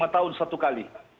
lima tahun satu kali